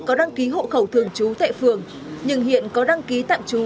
có đăng ký hộ khẩu thường trú tại phường nhưng hiện có đăng ký tạm trú